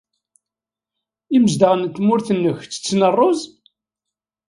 Imezdaɣen n tmurt-nnek ttetten ṛṛuz?